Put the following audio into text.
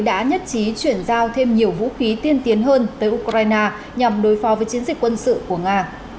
đã nhất trí chuyển giao thêm nhiều vũ khí tiên tiến hơn tới ukraine nhằm đối phó với chiến dịch quân sự của nga